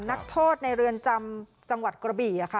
นักโทษในเรือนจำจังหวัดกระบี่ค่ะ